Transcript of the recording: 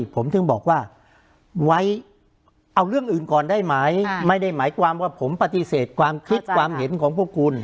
ผมถึงบอกว่าไว้เอาเรื่องอื่นก่อนได้ไหมไม่ได้หมายความว่าผมปฏิเสธความคิดความเห็นของพวกคุณ